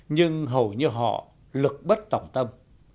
nhưng hầu như họ lực bất tỏng tâm